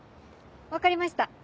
分かりました。